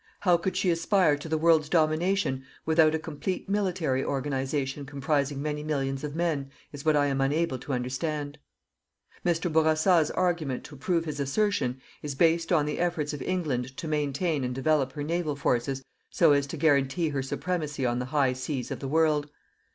How could she aspire to the world's domination without a complete military organization comprising many millions of men, is what I am unable to understand. Mr. Bourassa's argument to prove his assertion is based on the efforts of England to maintain and develop her naval forces so as to guarantee her supremacy on the high seas of the world.